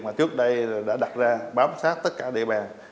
mà trước đây đã đặt ra bám sát tất cả địa bàn